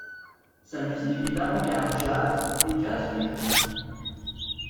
Sa musique est d'avant-garde jazz et jazz fusion.